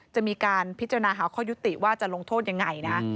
จะมีการพิจารณาหาข้อยุติว่าจะลงโทษยังไงนะ